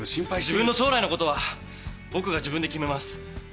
自分の将来のことは僕が自分で決めます。